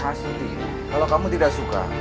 hasudi kalau kamu tidak suka